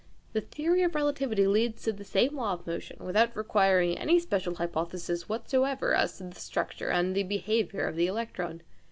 The theory of relativity leads to the same law of motion, without requiring any special hypothesis whatsoever as to the structure and the behaviour of the electron.